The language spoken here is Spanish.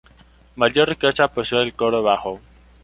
Mayor riqueza posee el coro bajo.